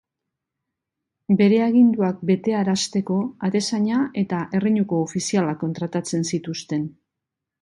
Bere aginduak betearazteko Atezaina eta Erreinuko Ofizialak kontratatzen zituzten.